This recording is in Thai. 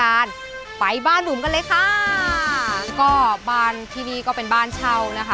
อายุ๒๔ปีวันนี้บุ๋มก็จะพามาเที่ยวที่บ้านบุ๋มนะคะ